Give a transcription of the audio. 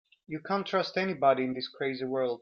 You can't trust anybody in this crazy world.